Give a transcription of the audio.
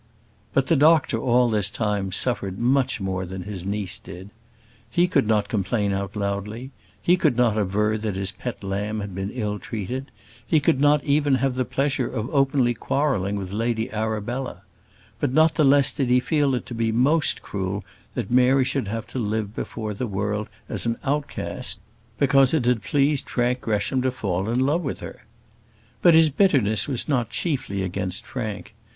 But the doctor all this time suffered much more than his niece did. He could not complain out loudly; he could not aver that his pet lamb had been ill treated; he could not even have the pleasure of openly quarrelling with Lady Arabella; but not the less did he feel it to be most cruel that Mary should have to live before the world as an outcast, because it had pleased Frank Gresham to fall in love with her. But his bitterness was not chiefly against Frank.